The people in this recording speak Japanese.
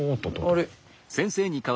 あれ？